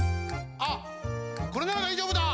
あっこれならだいじょうぶだ！